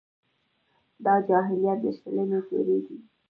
دا جاهلیت د شلمې پېړۍ دی.